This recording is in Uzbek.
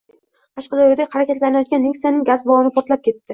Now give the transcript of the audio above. Qashqadaryoda harakatlanayotgan Nexia’ning gaz balloni portlab ketdi